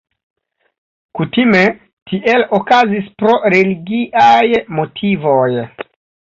Kutime tiel okazis pro religiaj motivoj.